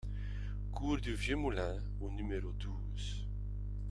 Cours du Vieux Moulin au numéro douze